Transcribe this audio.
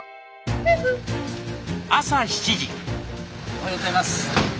おはようございます。